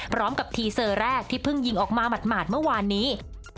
ทีเซอร์แรกที่เพิ่งยิงออกมาหมาดเมื่อวานนี้